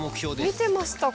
見てました